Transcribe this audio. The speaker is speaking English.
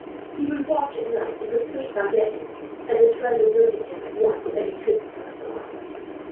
He would watch at night and could sleep by day, as his friends would waken him at once, if any troops passed along."